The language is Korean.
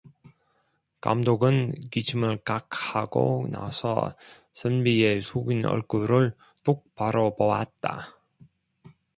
감독은 기침을 칵 하고 나서 선비의 숙인 얼굴을 똑바로 보았다.